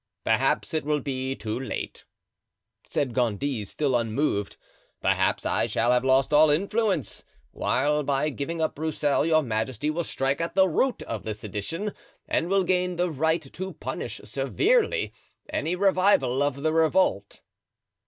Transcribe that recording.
"Perhaps it will be too late," said Gondy, still unmoved; "perhaps I shall have lost all influence; while by giving up Broussel your majesty will strike at the root of the sedition and will gain the right to punish severely any revival of the revolt."